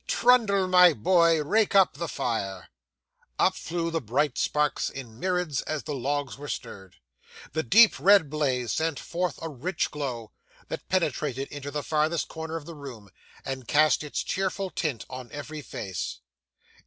Trundle, my boy, rake up the fire.' Up flew the bright sparks in myriads as the logs were stirred. The deep red blaze sent forth a rich glow, that penetrated into the farthest corner of the room, and cast its cheerful tint on every face.